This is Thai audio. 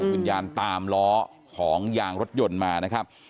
วิญญาณตามล้อของยางรถยนต์มานะครับ